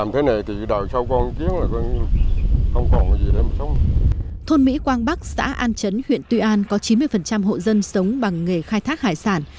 thôn mỹ quang bắc xã an chấn huyện tuy an có chín mươi hộ dân sống bằng nghề khai thác hải sản